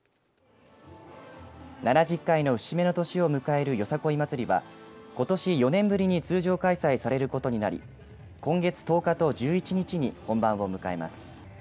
７０回の節目の年を迎えるよさこい祭りはことし４年ぶりに通常開催されることになり今月１０日と１１日に本番を迎えます。